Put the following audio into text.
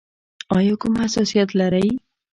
ایا کوم حساسیت لرئ؟